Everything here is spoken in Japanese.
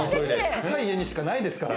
高い家にしかないですから。